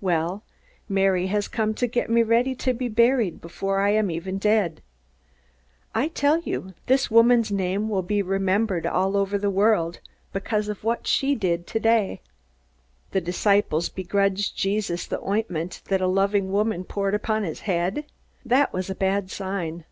Well, Mary has come to get me ready to be buried, before I am even dead. I tell you, this woman's name will be remembered all over the world because of what she did for me today!" The disciples begrudged Jesus the ointment that a loving woman pured upon his head! That was a bad sign.